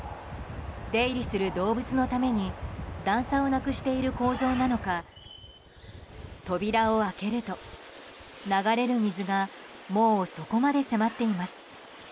出入りする動物のために段差をなくしている構造なのか扉を開けると、流れる水がもうそこまで迫っています。